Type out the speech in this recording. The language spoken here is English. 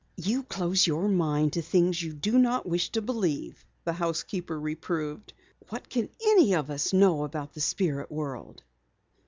"You close your mind to things you do not wish to believe," the housekeeper reproved. "What can any of us know of the spirit world?"